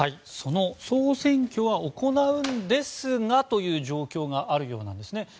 その総選挙は行うんですがという状況があるようなんですね。